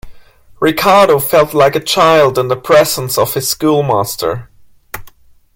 Ricardo felt like a child in the presence of his schoolmaster.